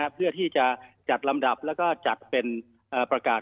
เพื่อที่จะจัดลำดับแล้วก็จัดเป็นประกาศ